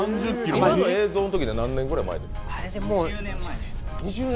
今の映像のときで何年ぐらい前ですか？